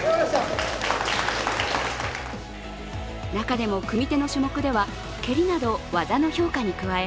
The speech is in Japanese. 中でも組み手の種目では蹴りなど技の評価に加え